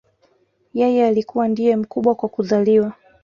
Yeye alikuwa ndiye mkubwa kwa kuzaliwa